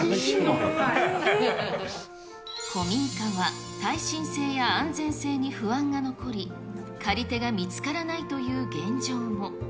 古民家は耐震性や安全性に不安が残り、借り手が見つからないという現状も。